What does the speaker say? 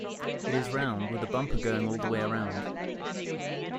It is round, with a bumper going all the way around.